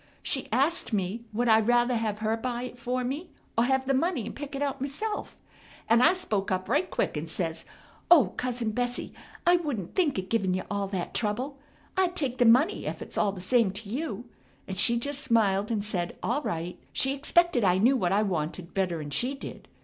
She askt me would I druther hav her buy it for me, or have the money and pick it out m'self, and I spoke up right quick and says, 'Oh, cousin Bessie, I wouldn't think of givin' ya all that trouble. I'd take the money ef it's all the same t'you,' and she jest smiled and said all right, she expected I knew what I wanted better'n she did.